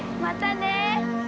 またね！